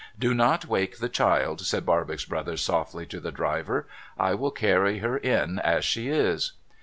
' Do not wake the child,' said Barbox Brothers softly to the driver ;' I will carry her in as she is.'